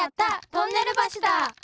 トンネルばしだ！